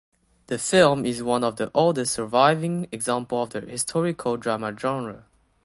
The film is one of the oldest surviving example of the historical drama genre.